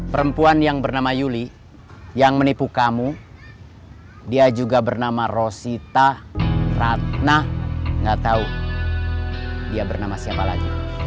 perempuan yang bernama yuli yang menipu kamu dia juga bernama rosita ratna gak tahu dia bernama siapa lagi